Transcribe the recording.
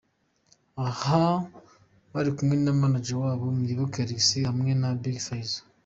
Aha bari kumwe na manager wabo Muyooke Alex hamwe na Big Fizo